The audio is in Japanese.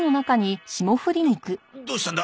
どどうしたんだ？